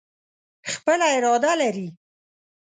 خپله اراده لري.